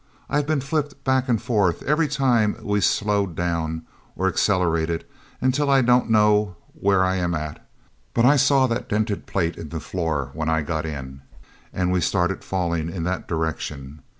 I've been flipped back and forth every time we slowed down or accelerated until I don't know where I'm at, but I saw that dented plate in the floor when I got in and we started falling in that direction.